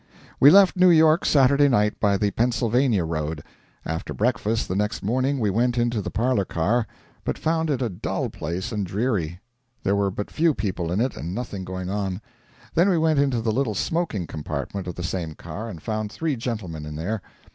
We left New York Saturday night by the Pennsylvania road. After breakfast the next morning we went into the parlour car, but found it a dull place and dreary. There were but few people in it and nothing going on. Then we went into the little smoking compartment of the same car and found three gentlemen in there.